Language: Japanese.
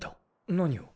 何を？